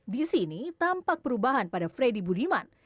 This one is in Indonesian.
di sini tampak perubahan pada freddy budiman